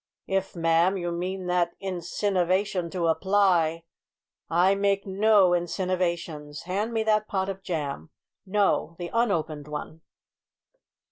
"If, ma'am, you mean that insinivation to apply " "I make no insinivations. Hand me that pot of jam no, the unopened one."